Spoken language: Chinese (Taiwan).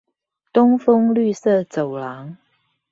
東豐綠色走廊